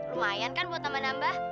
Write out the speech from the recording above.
lumayan kan buat nambah nambah